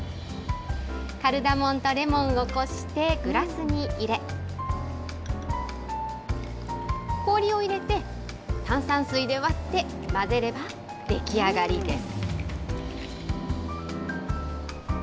カルダモンとレモンをこして、グラスに入れ、氷を入れて、炭酸水で割って、混ぜれば出来上がりです。